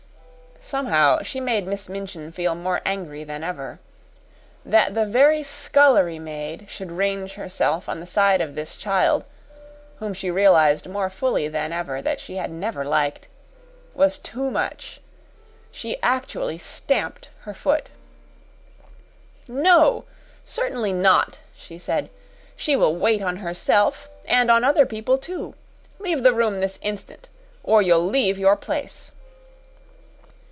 Somehow, she made Miss Minchin feel more angry than ever. That the very scullery maid should range herself on the side of this child whom she realized more fully than ever that she had never liked was too much. She actually stamped her foot. "No certainly not," she said. "She will wait on herself, and on other people, too. Leave the room this instant, or you'll leave your place."